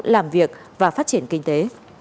làm việc và phát triển kinh tế